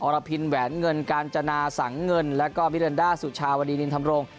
รพินแหวนเงินกาญจนาสังเงินแล้วก็มิรันดาสุชาวดีนินธรรมรงค